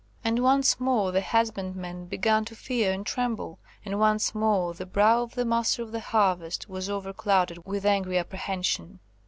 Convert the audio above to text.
And once more the husbandmen began to fear and tremble, and once more the brow of the Master of the Harvest was over clouded with angry apprehension.